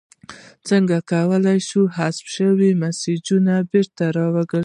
څنګه کولی شم د حذف شویو میسجونو بیرته راګرځول